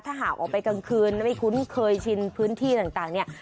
ถ้าหากออกไปกลางคืนไม่คุ้นเคยชินพื้นที่ต่างเนี่ย